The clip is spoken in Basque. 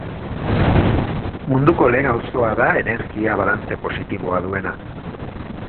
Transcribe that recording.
Munduko lehen auzoa da energia-balantze positiboa duena.